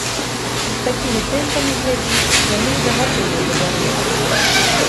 З такімі тэмпамі, глядзіш, яны і да гатэляў дабяруцца.